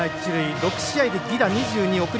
６試合で犠打２２送り